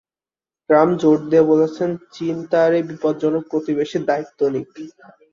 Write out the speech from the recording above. Trump জোর দিয়ে বলছেন, চীন তার এই বিপজ্জনক প্রতিবেশীর দায়িত্ব নিক।